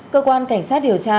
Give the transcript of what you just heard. cơ quan cảnh sát điều tra